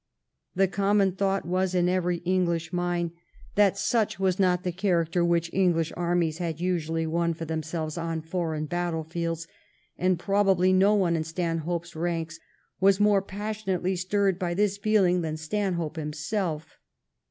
The common thought was in every English mind that such was not the character which Enghsh armies had usually won for themselves on foreign battle fields, and probably no one in Stanhope's ranks was more passionately stirred by this feehng than Stanhope himself.